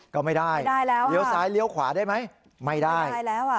ก็ไม่ได้เลี้ยวซ้ายเลี้ยวขวาได้ไหมไม่ได้ไม่ได้แล้ว